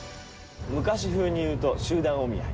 昔風にいうと集団お見合い。